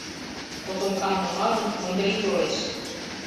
Котомкам нумалын, Ондрий толеш.